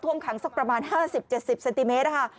ขังสักประมาณ๕๐๗๐เซนติเมตรค่ะ